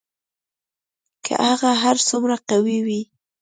که هغه هر څومره قوي وي